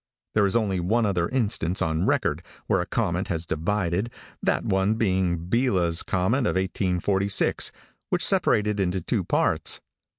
There is only one other instance on record, where a comet has divided, that one being Biella's comet of 1846, which separated into two parts.